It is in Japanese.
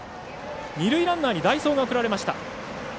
二塁ランナーに代走が送られました。